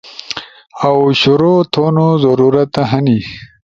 اؤ شروع تھونو ضرورت ہنی۔